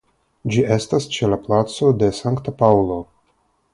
Ĝi estas ĉe la Placo de Sankta Paŭlo.